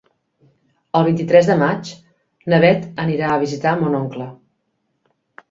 El vint-i-tres de maig na Bet anirà a visitar mon oncle.